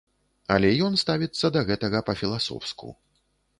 Але ён ставіцца да гэтага па-філасофску.